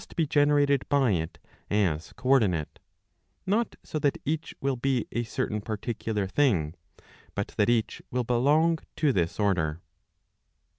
317 generated by it as co ordinate, not so that eacb will be a certain particular thing, but that each will belong to this order.